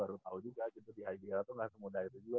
baru tau juga gitu di ideal tuh gak semudah itu juga